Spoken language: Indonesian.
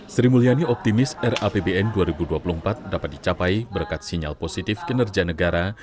sri mulyani optimis rapbn dua ribu dua puluh empat dapat dicapai berkat sinyal positif kinerja negara